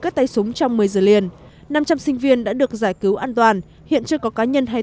các tay súng trong một mươi giờ liền năm trăm linh sinh viên đã được giải cứu an toàn hiện chưa có cá nhân hay